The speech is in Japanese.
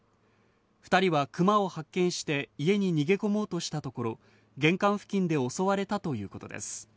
２人はクマを発見して家に逃げ込もうとしたところ、玄関付近で襲われたということです。